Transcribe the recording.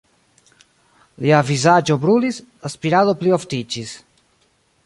Lia vizaĝo brulis, la spirado plioftiĝis.